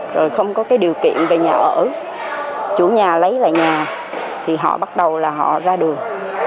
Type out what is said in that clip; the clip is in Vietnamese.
rồi không có cái điều kiện về nhà ở chủ nhà lấy lại nhà thì họ bắt đầu là họ ra đường